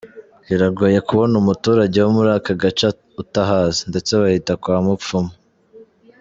Biragoye kubona umuturage wo muri aka gace utahazi, ndetse bahita kwa ‘Mupfumu’.